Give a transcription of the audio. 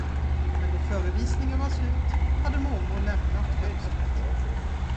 Men då förevisningen var slut, hade mormor lämnat fönstret.